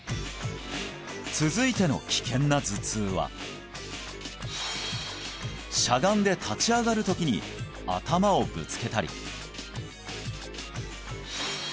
続いての危険な頭痛はしゃがんで立ち上がる時にがあるんです